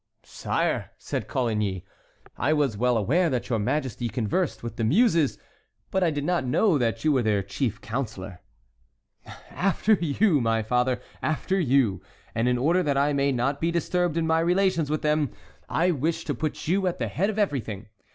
'" "Sire," said Coligny, "I was well aware that your Majesty conversed with the Muses, but I did not know that you were their chief counsellor." "After you, my father, after you. And in order that I may not be disturbed in my relations with them, I wish to put you at the head of everything.